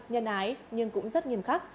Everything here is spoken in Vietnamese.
nhân ái nhưng cũng rất nghiêm khắc